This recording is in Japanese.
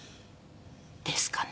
ですかね？